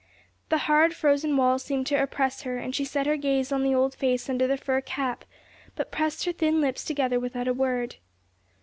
The hard, frozen wall seemed to oppress her, and she set her gaze on the old face under the fur cap, but pressed her thin lips together without a word.